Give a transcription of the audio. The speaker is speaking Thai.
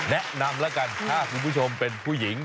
แนะนำแล้วกันถ้าคุณผู้ชมเป็นผู้หญิง